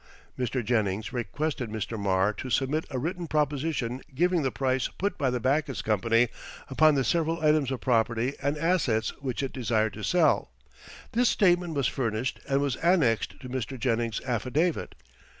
Mr. Jennings requested Mr. Marr to submit a written proposition giving the price put by the Backus Company upon the several items of property and assets which it desired to sell. This statement was furnished and was annexed to Mr. Jennings's affidavit.